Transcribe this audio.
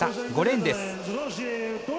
５レーンです。